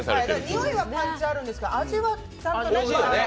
においは感じあるんですけど味は、ちゃんとね。